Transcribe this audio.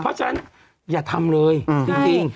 เพราะฉะนั้นอย่าทำเลยจริง